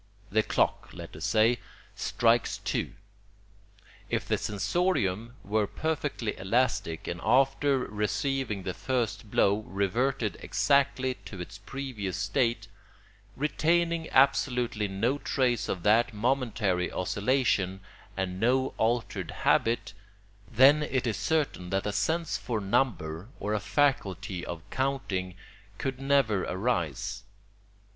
The clock, let us say, strikes two: if the sensorium were perfectly elastic and after receiving the first blow reverted exactly to its previous state, retaining absolutely no trace of that momentary oscillation and no altered habit, then it is certain that a sense for number or a faculty of counting could never arise.